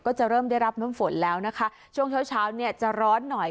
ก็จะเริ่มได้รับน้ำฝนแล้วนะคะช่วงเช้าเช้าเนี่ยจะร้อนหน่อย